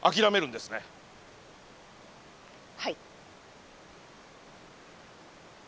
はい。